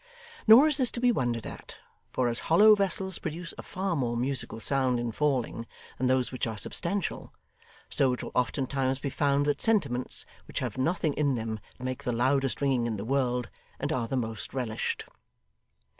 Nor is this to be wondered at; for as hollow vessels produce a far more musical sound in falling than those which are substantial, so it will oftentimes be found that sentiments which have nothing in them make the loudest ringing in the world, and are the most relished.